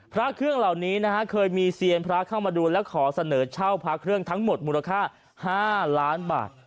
พระเครื่องเหล่านี้นะฮะเคยมีเซียนพระเข้ามาดูและขอเสนอเช่าพระเครื่องทั้งหมดมูลค่า๕ล้านบาท